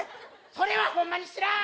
それはホンマに知らん！